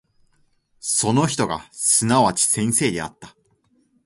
その人がすなわち先生であった。